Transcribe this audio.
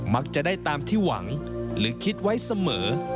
มักจะได้ตามที่หวังหรือคิดไว้เสมอ